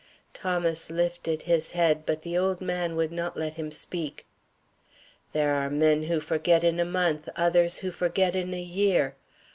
Thomas lifted his head, but the old man would not let him speak. "There are men who forget in a month, others who forget in a year.